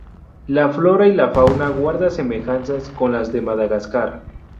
La flora y la fauna guarda semejanzas con las de Madagascar.